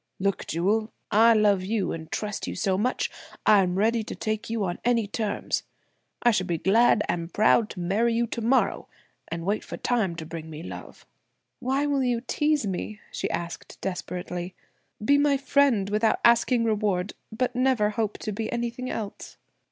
"Look, Jewel, I love you and trust you so much, I am ready to take you on any terms. I should be glad and proud to marry you tomorrow, and wait for time to bring me love." "Why will you tease me?" she asked desperately. "Be my friend without asking reward, but never hope to be anything else."